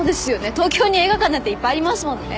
東京に映画館なんていっぱいありますもんね。